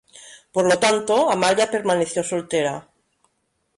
Por lo tanto Amalia permaneció soltera.